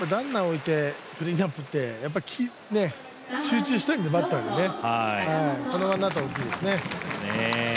ランナーをおいて、クリーンアップって集中したいんで、バッターがこのワンアウトは大きいですね。